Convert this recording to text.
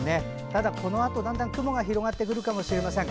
ただ、このあとだんだん雲が広がってくるかもしれません。